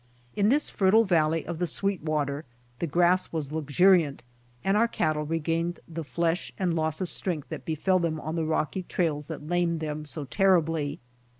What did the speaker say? In this fertile valley of the Sweetwater the grass was luxur iant, and our cattle regained the flesh and loss of strength that befell them on the rocky trails that lamed them so terribly.